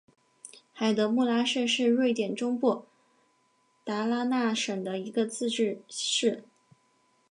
海德穆拉市是瑞典中部达拉纳省的一个自治市。